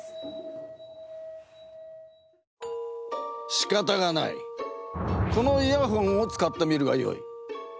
しかたがないこのイヤホンを使ってみるがよい。